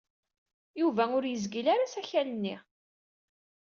Yuba ur yezgil ara asakal-nni.